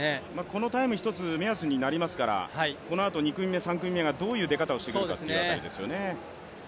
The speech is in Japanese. このタイム、一つ目安になりますからこのあと２組目、３組目がどういう出方をしてくるかという辺りですよね。